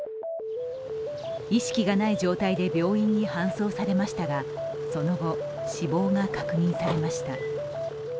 意識がない状態で病院に搬送されましたがその後、死亡が確認されました。